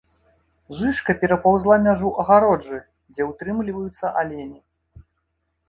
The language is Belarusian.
Жыжка перапаўзла мяжу агароджы, дзе ўтрымліваюцца алені.